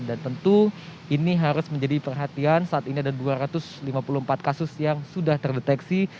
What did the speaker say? dan tentu ini harus menjadi perhatian saat ini ada dua ratus lima puluh empat kasus yang sudah terdeteksi